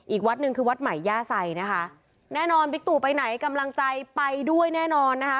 อีกวัดหนึ่งคือวัดใหม่ย่าใส่นะคะแน่นอนบิ๊กตู่ไปไหนกำลังใจไปด้วยแน่นอนนะคะ